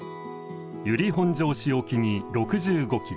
由利本荘市沖に６５基